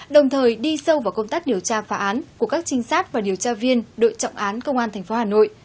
đồng thời đi sâu vào công tác điều tra phá án của các trinh sát và điều tra viên đội trọng án công an tp hà nội